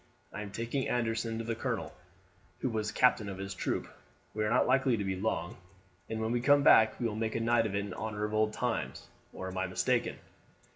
I am taking Anderson to the colonel, who was captain of his troop. We are not likely to be long, and when we come back we will make a night of it in honour of old times, or I am mistaken."